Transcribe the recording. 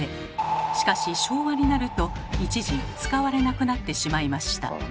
しかし昭和になると一時使われなくなってしまいました。